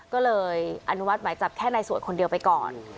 ก็เลยอนุมัติหมายจับแค่นายสวดคนเดียวไปก่อน